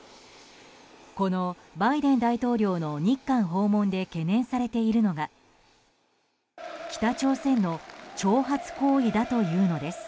このバイデン大統領の日韓訪問で懸念されているのが北朝鮮の挑発行為だというのです。